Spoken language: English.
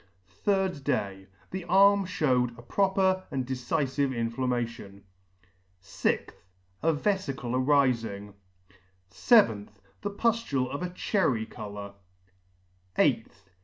3d day. The arm fhewed a proper and decifive inflammation. 6th. A veficle arifing. yth. The puflule of a cherry colour. 8th.